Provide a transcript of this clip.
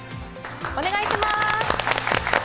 お願いします。